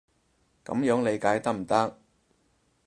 噉樣理解得唔得？